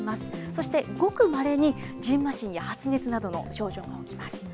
そしてごくまれに、じんましんや発熱などの症状も起きます。